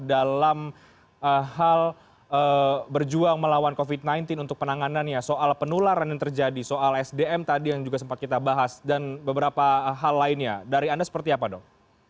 dalam hal berjuang melawan covid sembilan belas untuk penanganannya soal penularan yang terjadi soal sdm tadi yang juga sempat kita bahas dan beberapa hal lainnya dari anda seperti apa dok